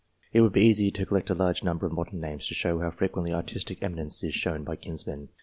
It would be easy to collect a large number of modern names to show how frequently artistic eminence is shared by kinsmen.